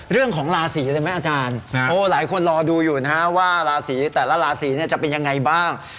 เรื่องของราศีเลยไหมอาจารย์หลายคนรอดูอยู่นะฮะว่าราศีแต่ละราศีเนี่ยจะเป็นยังไงบ้าง